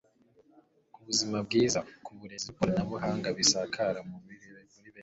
ku buzima bwiza, ku burezi n' ikoranabuhanga bisakara muri benshi